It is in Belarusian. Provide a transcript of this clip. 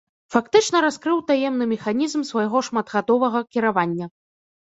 Фактычна раскрыў таемны механізм свайго шматгадовага кіравання.